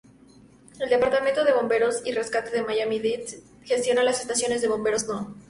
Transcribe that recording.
El Departamento de Bomberos y Rescate de Miami-Dade gestiona las Estaciones de Bomberos No.